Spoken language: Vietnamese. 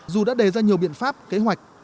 dù đã đề ra nhiều biện pháp kế hoạch